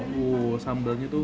wow sambalnya tuh